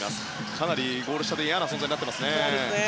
かなりゴール下で嫌な存在になっていますね。